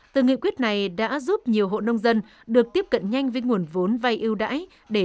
từ nghị quyết này đã giúp nhiều hộ nông dân được tiếp cận nhanh với nguồn vốn vay ưu đãi